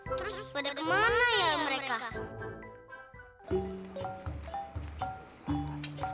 terus pada kemana ya mereka